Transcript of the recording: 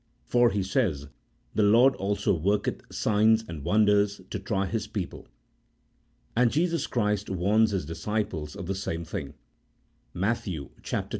For," he says, " the Lord also worketh signs and wonders to try His people." And Jesus Christ warns His disciples of the same thing (Matt. xxiv.